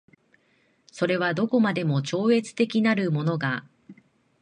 それはどこまでも超越的なるものが